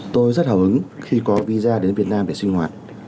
tôi rất hào hứng khi có visa đến việt nam để sinh hoạt